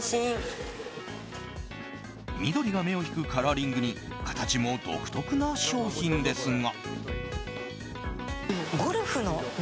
緑が目を引くカラーリングに形も独特な商品ですが。